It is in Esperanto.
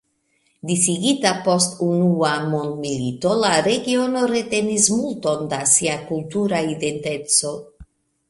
Disigita post unua mondmilito, la regiono retenis multon da sia kultura identeco.